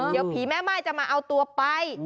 เดี๋ยวผีแม่ม่ายจะมาเอาตัวไป